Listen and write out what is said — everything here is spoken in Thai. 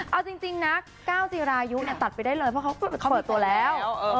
เอาจริงนะก้าวจีรายุเนี่ยตัดไปได้เลยเพราะเขาเปิดตัวแล้ว